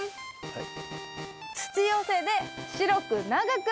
はい。